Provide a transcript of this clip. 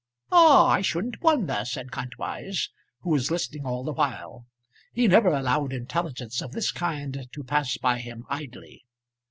"Ah, I shouldn't wonder," said Kantwise, who was listening all the while. He never allowed intelligence of this kind to pass by him idly.